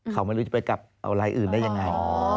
เขาไม่รู้จะไปกลับเอารายอื่นได้ยังไง